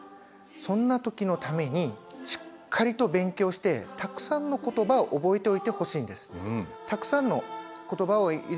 そんな時のためにしっかりと勉強してたくさんの言葉を覚えておいてほしいんです。